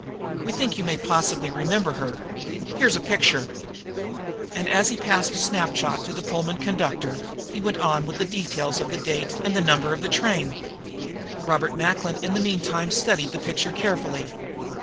We think you may possibly remember her. Here's the picture." And, as he passed the snapshot to the Pullman conductor, he went on with the details of the date and the number of the train. Robert Macklin in the meantime studied the picture carefully.